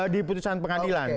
di putusan pengadilan